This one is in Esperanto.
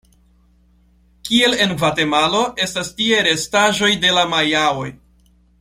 Kiel en Gvatemalo estas tie restaĵoj de la Majaoj.